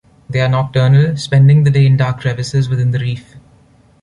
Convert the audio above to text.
They are nocturnal, spending the day in dark crevices within the reef.